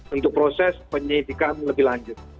untuk proses penyidikan lebih lanjut